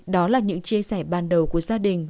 đó là những chia sẻ ban đầu của gia đình